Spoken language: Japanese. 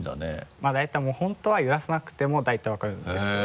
まぁ大体本当は揺らさなくても大体分かるんですけど。